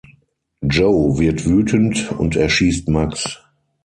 Joe wird wütend und erschießt Max.